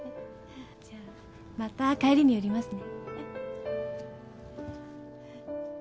じゃまた帰りに寄りますね。